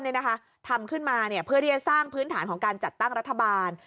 ทำนั้นเลยนะคะทำขึ้นมาเพื่อจะทำสรรพื้นฐานของการจัดตั้งรัฐบาล